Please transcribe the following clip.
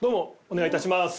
お願い致します。